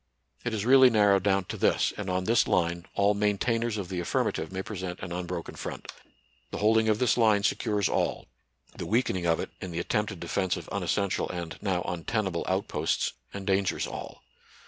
It is really narrowed down to this, and on this line all maintainers of the affirmative may present an unbroken front. The holding of this line secures all ; the weakening of it in the attempted defence of unessential and now untenable outposts endangers all.